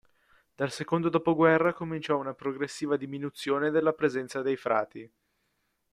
Dal secondo dopoguerra cominciò una progressiva diminuzione della presenza dei frati.